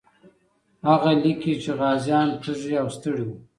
هغه لیکي چې غازیان تږي او ستړي وو.